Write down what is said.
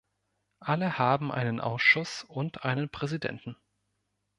Alle haben einen Ausschuss und einen Präsidenten.